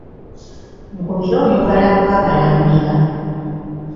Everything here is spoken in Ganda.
Nkubira omubala gw'Abalangira.